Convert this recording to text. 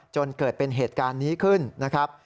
จนเกิดเป็นเหตุการณ์นี้ขึ้นนะครับ